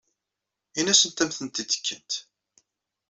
Ini-asent ad am-tent-id-kent.